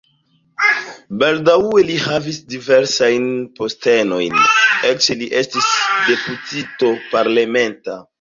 Baldaŭe li havis diversajn postenojn, eĉ li estis deputito parlamenta.